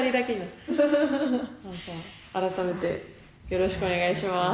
よろしくお願いします。